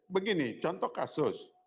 begini contoh kasus